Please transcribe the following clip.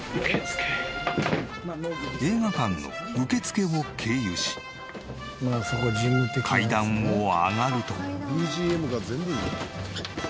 映画館の受付を経由し階段を上がると。